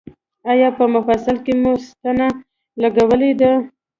ایا په مفصل کې مو ستنه لګولې ده؟